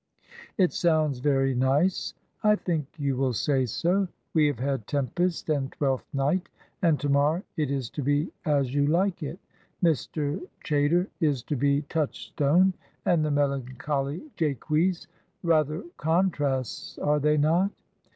"It sounds very nice." "I think you will say so. We have had Tempest and Twelfth Night, and to morrow it is to be As You Like It. Mr. Chaytor is to be Touchstone and the melancholy Jacques. Rather contrasts, are they not?"